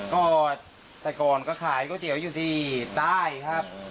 ก็แต่ก่อนก็ขายก๋วยเตี๋ยวอยู่ที่ใต้ครับ